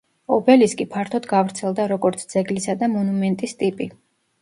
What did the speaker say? ობელისკი ფართოდ გავრცელდა როგორც ძეგლისა და მონუმენტის ტიპი.